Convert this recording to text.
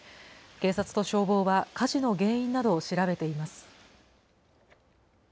警察と消防は火事の原因などを調べています。